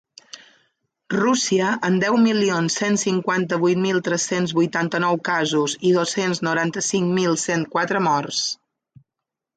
Rússia, amb deu milions cent cinquanta-vuit mil tres-cents vuitanta-nou casos i dos-cents noranta-cinc mil cent quatre morts.